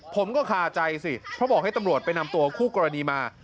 ผมก็คาใจสิเพราะบอกให้ตำรวจไปนำตัวคู่กรณีมา